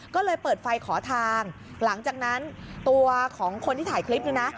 ก็เลยเปิดไฟขอทางหลังจากนั้นตัวของคนที่ถ่ายคลิปเนี่ยนะ